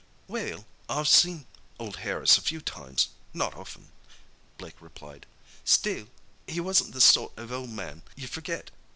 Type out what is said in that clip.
"Well, I've seen old Harris a few times—not often," Blake replied. "Still, he wasn't the sort of old man you'd forget.